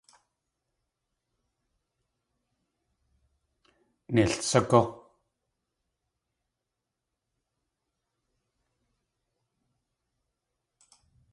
Neil sagú!